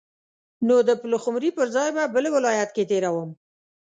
نو د پلخمري پر ځای به بل ولایت کې تیروم.